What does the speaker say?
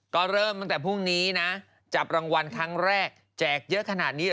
ก็เริ่มตั้งแต่พรุ่งนี้นะจับรางวัลครั้งแรกแจกเยอะขนาดนี้